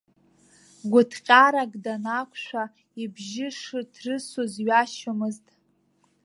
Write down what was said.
Гәыҭҟьарак данақәшәа, ибжьы шыҭрысыз ҩашьомызт.